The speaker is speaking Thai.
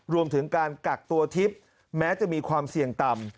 รวมถึงการกักตัวทิพย์แม้จะมีความเสี่ยงต่ำ